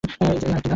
এই যে আরেকটা দাগ।